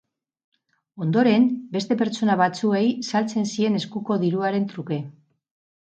Ondoren, beste pertsona batzuei saltzen zien eskuko diruaren truke.